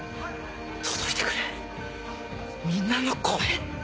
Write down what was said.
届いてくれみんなの声。